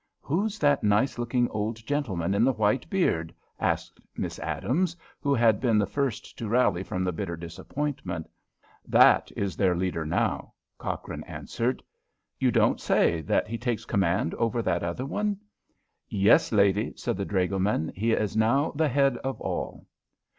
"Who's that nice looking old gentleman in the white beard?" asked Miss Adams, who had been the first to rally from the bitter disappointment. "That is their leader now," Cochrane answered. "You don't say that he takes command over that other one?" "Yes, lady," said the dragoman; "he is now the head of all."